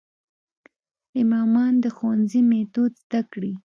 امامان د ښوونې میتود زده کړي.